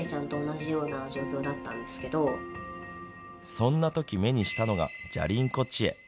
そんなとき目にしたのが、じゃりン子チエ。